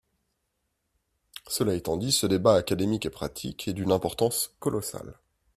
Cela étant dit, ce débat, académique et pratique, est d’une importance colossale.